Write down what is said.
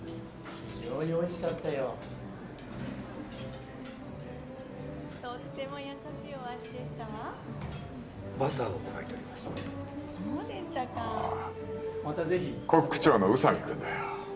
非常においしかったよとっても優しいお味でしたわバターを加えておりますそうでしたかコック長の宇佐美君だよ